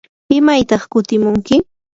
¿imaytaq kutimunki?